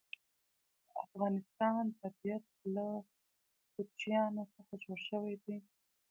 د افغانستان طبیعت له کوچیانو څخه جوړ شوی دی.